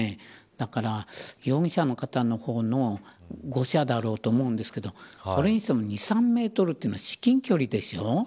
だから容疑者の方のほうの誤射だろうと思うんですけどそれにしても、２、３メートルというのは至近距離でしょう。